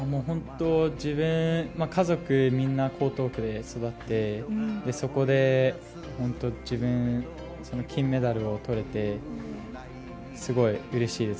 家族みんな江東区で育ってそこで金メダルをとれてすごいうれしいです。